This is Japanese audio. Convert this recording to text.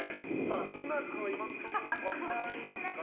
綱君、今のところ分かりますか？